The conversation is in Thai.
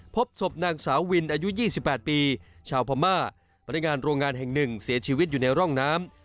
พบศพนางสาววินอายุ๒๘ปีชาวพม่าพนักงานโรงงานแห่งหนึ่งเสียชีวิตอยู่ในร่องน้ำ